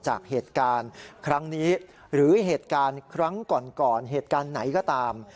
จากเหตุการณ์ครั้งนี้หรือเหตุการณ์ครั้งก่อนเหตุการณ์ไหนก็ตาม